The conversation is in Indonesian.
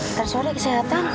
ntar sore kesehatan